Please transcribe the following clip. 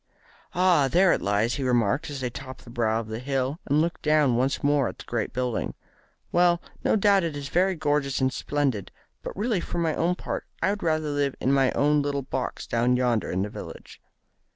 "Ah, there it lies!" he remarked, as they topped the brow of the hill, and looked down once more at the great building. "Well, no doubt it is very gorgeous and splendid, but really for my own part I would rather live in my own little box down yonder in the village."